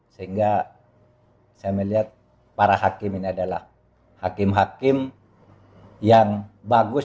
sehingga saya melihat para hakim ini adalah hakim hakim yang bagus